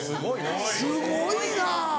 すごいな。